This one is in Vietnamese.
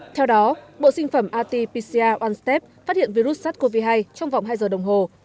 theo đó bộ sinh phẩm rt pcr một step phát hiện virus sars cov hai trong vòng hai giờ đồng hồ